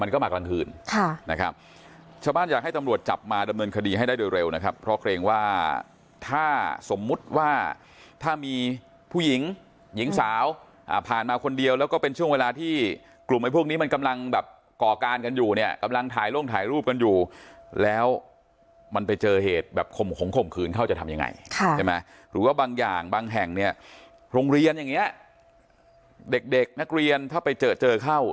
มันก็มากลางคืนนะครับชาวบ้านอยากให้ตำรวจจับมาดำเนินคดีให้ได้โดยเร็วนะครับเพราะเกรงว่าถ้าสมมติว่าถ้ามีผู้หญิงหญิงสาวผ่านมาคนเดียวแล้วก็เป็นช่วงเวลาที่กลุ่มไอ้พวกนี้มันกำลังแบบก่อการกันอยู่เนี่ยกำลังถ่ายล่วงถ่ายรูปกันอยู่แล้วมันไปเจอเหตุแบบขมขมขืนเข้าจะทำยังไงใช่ไหมหรือ